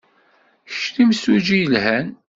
Kečč d imsujji yelhan.